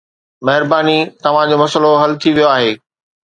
مهرباني، توهان جو مسئلو حل ٿي ويو آهي